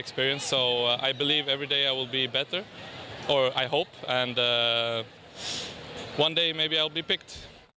ครั้งนี้ผมจะถูกเล่น